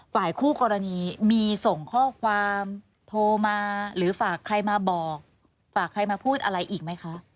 ฝ่ายคู่กรณีมีส่งข้อความโทรมาหรือฝากใครมาบอกฝากใครมาพูดอะไรอีกไหมคะ